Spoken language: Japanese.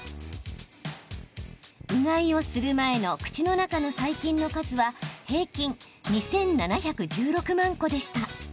うがいをする前の口の中の細菌の数は平均２７１６万個でした。